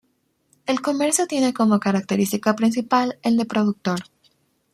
El comercio tiene como característica principal el de productor.